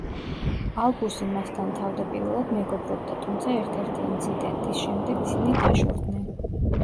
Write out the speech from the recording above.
ალბუსი მასთან თავდაპირველად მეგობრობდა, თუმცა ერთ-ერთი ინციდენტის შემდეგ ისინი დაშორდნენ.